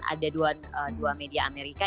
ada dua media amerika